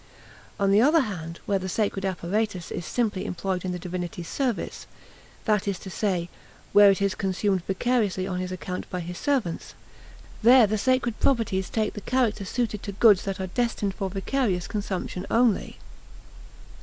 On the other hand, where the sacred apparatus is simply employed in the divinity's service, that is to say, where it is consumed vicariously on his account by his servants, there the sacred properties take the character suited to goods that are destined for vicarious consumption only.